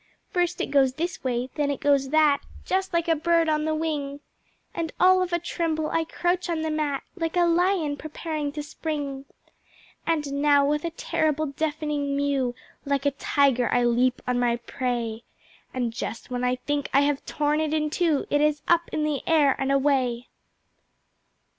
First it goes this way, then it goes that, Just like a bird on the wing. And all of a tremble I crouch on the mat Like a Lion, preparing to spring. And now with a terrible deafening mew, Like a Tiger I leap on my prey, And just when I think I have torn it in two It is up in the air and away.